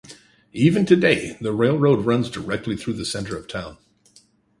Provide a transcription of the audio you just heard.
Even today, the railroad runs directly through the center of town.